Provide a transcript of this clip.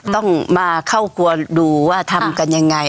ต้องมาเข้าครัวดูว่าทำกันยังไง